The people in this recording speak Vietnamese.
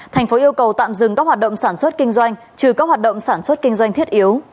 thành phố yêu cầu tạm dừng các hoạt động sản xuất kinh doanh trừ các hoạt động sản xuất kinh doanh thiết yếu